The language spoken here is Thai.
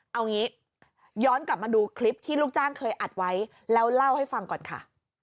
เอางี้ย้อนกลับมาดูคลิปที่ลูกจ้างเคยอัดไว้แล้วเล่าให้ฟังก่อนค่ะ